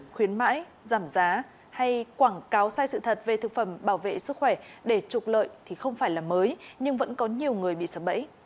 khuyến mãi giảm giá hay quảng cáo sai sự thật về thực phẩm bảo vệ sức khỏe để trục lợi thì không phải là mới nhưng vẫn có nhiều người bị sập bẫy